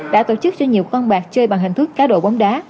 đã tổ chức cho nhiều con bạc chơi bằng hình thức cá độ bóng đá